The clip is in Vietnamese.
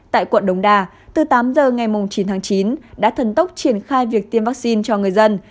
tại quận đồng đà từ tám giờ ngày chín tháng chín đã thần tốc triển khai việc tiêm vaccine cho người dân